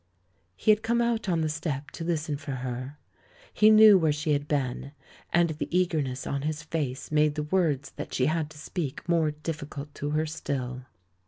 He had come out on the stoep to listen for her. He knew where she had been, and the eagerness on his face made the words that she had to speak more difficult to her still.